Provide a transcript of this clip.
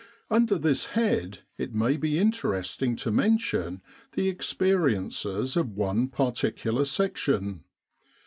Under this head it may be interesting to men tion the experiences of one particular Section.